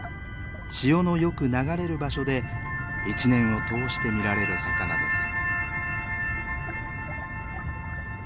潮のよく流れる場所で一年を通して見られる魚です。